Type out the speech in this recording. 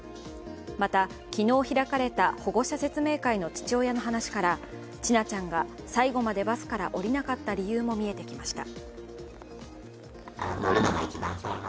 また、昨日開かれた保護者説明会の父親の話から千奈ちゃんが、最後までバスから降りなかった理由も見えてきました。